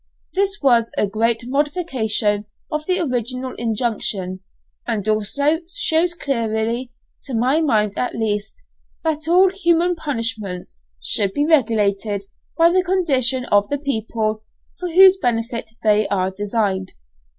This was a great modification of the original injunction, and also shows clearly, to my mind at least, that all human punishments should be regulated by the condition of the people for whose benefit they are designed.